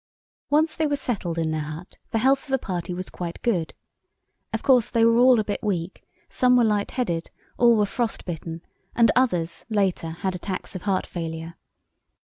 Once they were settled in their hut, the health of the party was quite good. Of course, they were all a bit weak, some were light headed, all were frost bitten, and others, later, had attacks of heart failure.